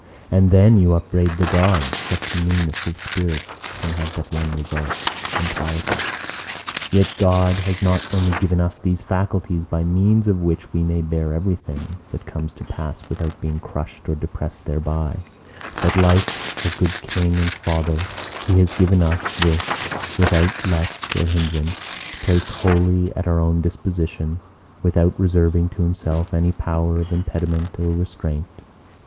And then you upbraid the Gods. Such meanness of spirit can have but one result—impiety. Yet God has not only given us these faculties by means of which we may bear everything that comes to pass without being crushed or depressed thereby; but like a good King and Father, He has given us this without let or hindrance, placed wholly at our own disposition, without reserving to Himself any power of impediment or restraint.